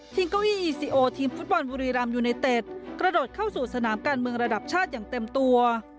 เก้าอี้อีซีโอทีมฟุตบอลบุรีรำยูไนเต็ดกระโดดเข้าสู่สนามการเมืองระดับชาติอย่างเต็มตัว